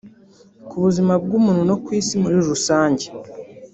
ku buzima bw’umuntu no ku isi muri rusange